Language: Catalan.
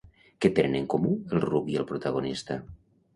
Què tenen en comú el ruc i el protagonista?